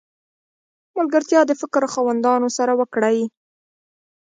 ملګرتیا د فکر خاوندانو سره وکړئ!